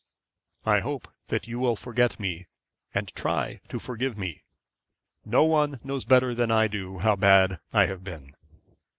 I hope that you will forget me, and try to forgive me. No one knows better than I do how bad I have been.